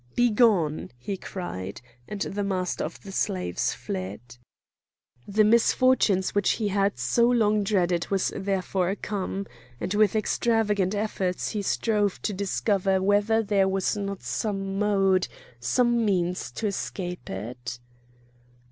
"Begone!" he cried; and the master of the slaves fled. The misfortune which he had so long dreaded was therefore come, and with extravagant efforts he strove to discover whether there was not some mode, some means to escape it.